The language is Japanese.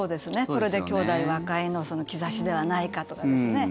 これで兄弟和解の兆しではないかとかですね。